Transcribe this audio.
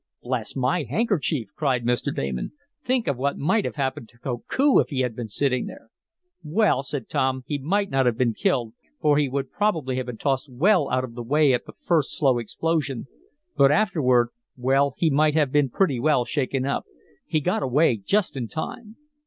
"Bless my handkerchief!" cried Mr. Damon. "Think of what might have happened to Koku if he had been sitting there." "Well," said Tom, "he might not have been killed, for he would probably have been tossed well out of the way at the first slow explosion, but afterward well, he might have been pretty well shaken up. He got away just in time."